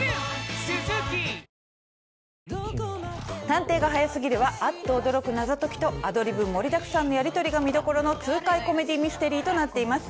『探偵が早すぎる』はあっと驚く謎解きとアドリブ盛りだくさんのやり取りが見どころの痛快コメディ・ミステリーとなっています。